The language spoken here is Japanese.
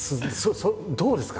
どうですか？